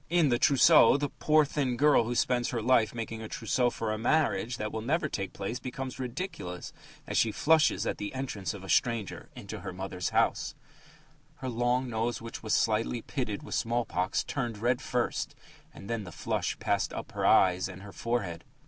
In The Trousseau, the poor thin girl who spends her life making a trousseau for a marriage that will never take place becomes ridiculous as she flushes at the entrance of a stranger into her mother's house: Her long nose, which was slightly pitted with small pox, turned red first, and then the flush passed up to her eyes and her forehead.